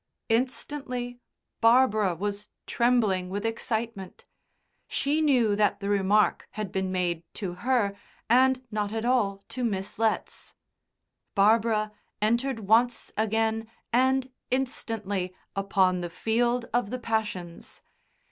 Instantly Barbara was trembling with excitement. She knew that the remark had been made to her and not at all to Miss Letts. Barbara entered once again, and instantly, upon the field of the passions.